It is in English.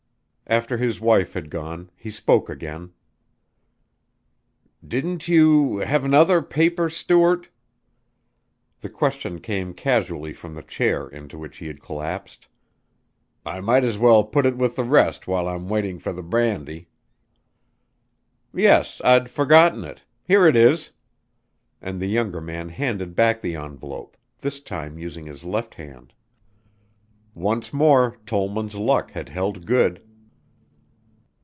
After his wife had gone he spoke again. "Didn't you have another paper, Stuart?" The question came casually from the chair into which he had collapsed. "I might as well put it with the rest while I'm waiting for the brandy." "Yes, I'd forgotten it. Here it is," and the younger man handed back the envelope this time using his left hand. Once more Tollman's luck had held good.